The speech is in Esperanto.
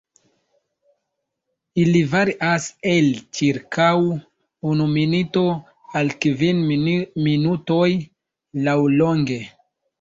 Ili varias el ĉirkaŭ unu minuto al kvin minutoj laŭlonge.